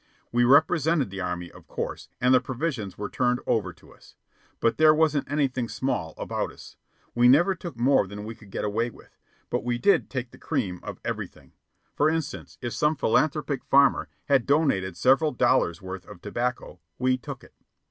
We represented the Army, of course, and the provisions were turned over to us. But there wasn't anything small about us. We never took more than we could get away with. But we did take the cream of everything. For instance, if some philanthropic farmer had donated several dollars' worth of tobacco, we took it.